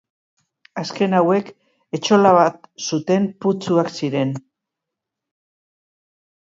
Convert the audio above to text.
Azken hauek etxola bat zuten putzuak ziren.